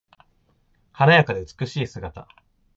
華やかで美しい姿。